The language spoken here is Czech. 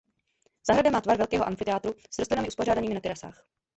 Zahrada má tvar velkého amfiteátru s rostlinami uspořádanými na terasách.